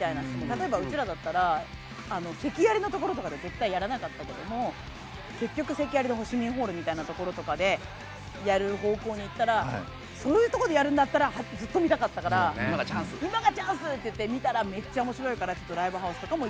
例えばうちらだったら席ありのところとか絶対やらなかったけども席ありの市民ホールみたいなところでやる方向にいったらそういうところでやるんならずっと見たかったから今がチャンスって見たらめっちゃ面白いからライブハウスとかも行ってみたい。